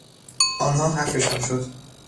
آنها حرفشان شد.